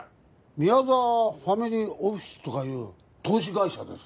宮沢ファミリーオフィスとかいう投資会社です